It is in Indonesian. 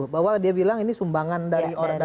bahwa dia bilang ini sumbangan dari sumbangan itu ya